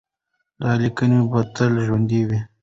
دا لیکنې به تل ژوندۍ وي.